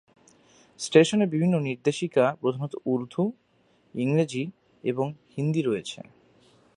স্টেশনে বিভিন্ন নির্দেশিকা প্রধানত উর্দু, ইংরেজি এবং হিন্দি রয়েছে।